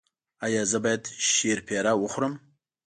ایا زه باید شیرپیره وخورم؟